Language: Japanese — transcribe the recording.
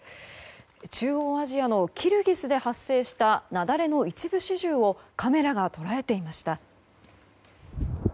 中央アジアのキルギスで発生した雪崩の一部始終をカメラが捉えていました。